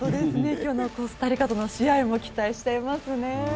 今日のコスタリカとの試合も期待しちゃいますね。